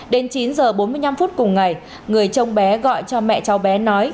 đến chín giờ bốn mươi năm phút cùng ngày người cháu bé gọi cho mẹ cháu bé nói